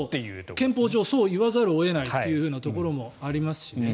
憲法上そう言わざるを得ないというところもありますしね。